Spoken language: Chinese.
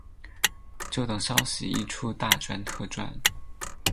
就等消息一出大赚特赚